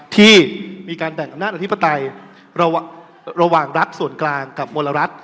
ที่มีการแบ่งอำนาจอธิปไตยระหว่างรัฐส่วนกลางกับมลรัฐ